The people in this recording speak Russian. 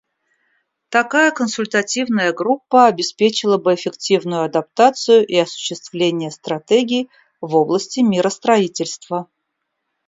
Такая консультативная группа обеспечила бы эффективную адаптацию и осуществление стратегий в области миростроительства.